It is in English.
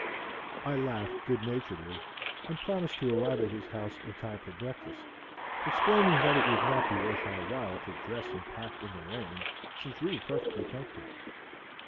I laughed good naturedly, and promised to arrive at his house in time for breakfast, explaining that it would not be worth our while to dress and pack in the rain, since we were perfectly comfortable.